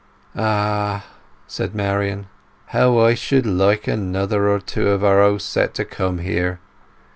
"Ah," said Marian, "how I should like another or two of our old set to come here!